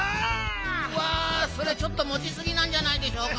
わそれはちょっともちすぎなんじゃないでしょうか？